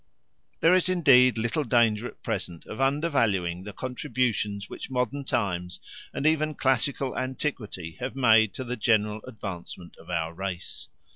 There is indeed little danger at present of undervaluing the contributions which modern times and even classical antiquity have made to the general advancement of our race.